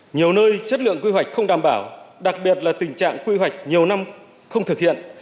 nhiều nơi chất lượng quy hoạch không đảm bảo đặc biệt là tình trạng quy hoạch nhiều năm không thực hiện